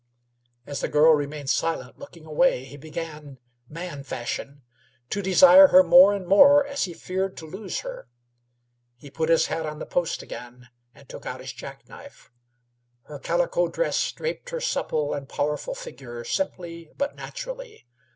As the girl remained silent, looking away, he began, man fashion, to desire her more and more, as he feared to lose her. He put his hat on the post again and took out his jack knife. Her calico dress draped her supple and powerful figure simply but naturally.